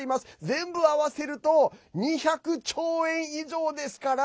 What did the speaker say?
全部合わせると２００兆円以上ですから。